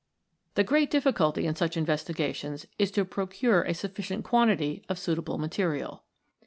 The great difficulty in such investigations is to procure a sufficient quantity of suitable material.